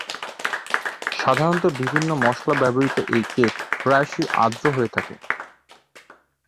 সাধারণত বিভিন্ন মশলা ব্যবহৃত এই কেক প্রায়শই আর্দ্র হয়ে থাকে।